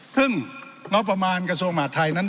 ซึ่งงบประมาณกระทรวงมหาดไทยนั้น